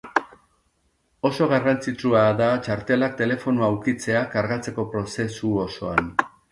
Oso garrantzitsua da txartelak telefonoa ukitzea kargatzeko prozesu osoan.